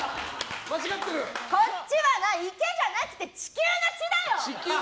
こっちは「池」じゃなくて地球の「地」だよ！